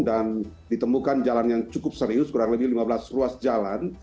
dan ditemukan jalan yang cukup serius kurang lebih lima belas ruas jalan